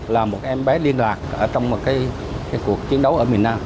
là một cái em bé liên lạc ở trong một cái cuộc chiến đấu ở miền nam